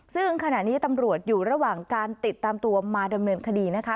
ซึ่งขณะนี้ตำรวจอยู่ระหว่างการติดตามตัวมาดำเนินคดีนะคะ